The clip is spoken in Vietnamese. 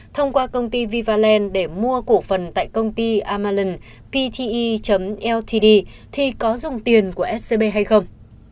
thông qua công ty vivaland để mua cổ phần tại công ty amaland pte ltd thì có dùng tiền của scb hay không